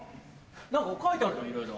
何か書いてるじゃんいろいろ。